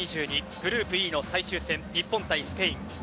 グループＥの最終戦日本対スペイン。